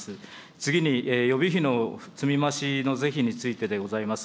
次に予備費の積み増しの是非についてであります。